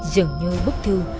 dường như bức thư